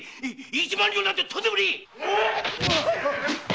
一万両なんてとんでもねえ！